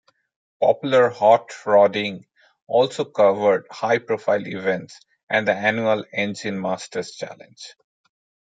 "Popular Hot Rodding" also covered high-profile events and the annual Engine Masters Challenge.